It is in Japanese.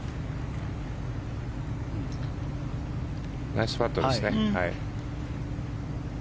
ナイスパットですね。